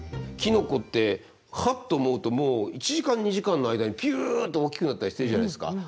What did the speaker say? キノコってハッと思うともう１時間２時間の間にぴゅっと大きくなったりしてるじゃないですか。